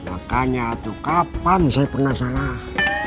makanya tuh kapan saya pernah salah